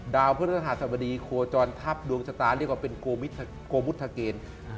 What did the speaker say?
ดาวเพื่อนธรรมดีโคจรทัพดวงชะตาเรียกว่าเป็นโกมุทธเกณฑ์